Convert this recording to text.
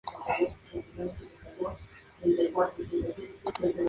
Es egresado de Entrenamiento Deportivo en la Fundación Universitaria del Área Andina.